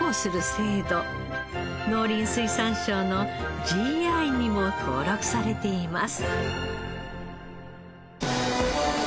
農林水産省のＧＩにも登録されています。